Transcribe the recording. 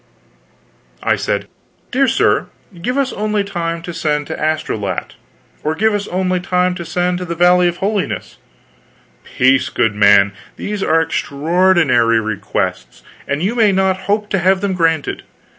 I said: "Dear sir, give us only time to send to Astolat; or give us only time to send to the Valley of Holiness " "Peace, good man, these are extraordinary requests, and you may not hope to have them granted.